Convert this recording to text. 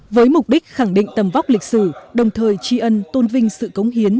với mục đích khẳng định tầm vóc lịch sử đồng thời tri ân tôn vinh sự cống hiến